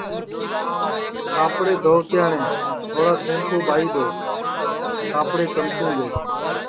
کاپڑے دھووَتے ئاٹؔیں تھوڑا سیمپُو ٻائی دؔو تو کاپڑے چمکُوں گے